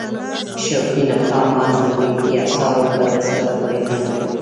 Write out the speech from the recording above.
شوکي نخاع مغز د محیطي اعصابو په دستګاه پورې نښلوي.